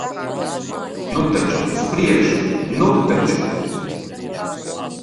Nu taču, uz priekšu. Nu taču!